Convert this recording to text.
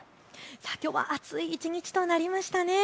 きょうは暑い一日となりましたね。